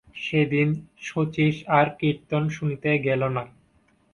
সেদিন শচীশ আর কীর্তন শুনিতে গেল না।